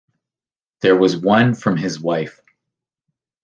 There was one from his wife.